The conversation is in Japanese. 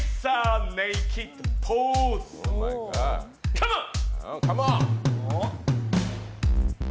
カモン！